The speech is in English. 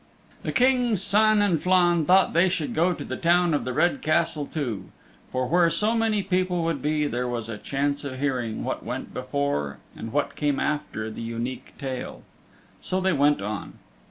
The King's Son and Flann thought they should go to the Town of the Red Castle too, for where so many people would be, there was a chance of hearing what went before and what came after the Unique Tale. So they went on.